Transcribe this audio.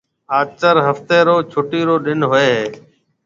آچر هفتي رو ڇُٽِي رو ڏن هوئي هيَ۔